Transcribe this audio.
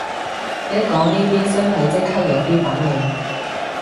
一講呢啲身體即刻有啲反應